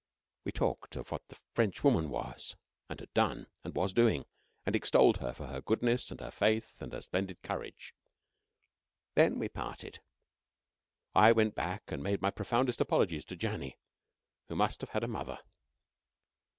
We talked of what the French woman was, and had done, and was doing, and extolled her for her goodness and her faith and her splendid courage. When we parted, I went back and made my profoundest apologies to Janny, who must have had a mother.